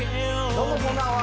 どうもこんばんは。